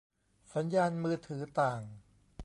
สัญญาณมือถือต่าง